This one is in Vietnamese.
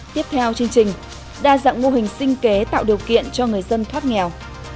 tiếp theo chương trình đa dạng mô hình sinh kế tạo điều kiện cho người dân thoát nghèo